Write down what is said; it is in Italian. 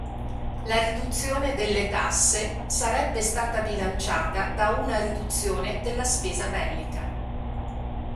La riduzione delle tasse sarebbe stata bilanciata da una riduzione della spesa bellica.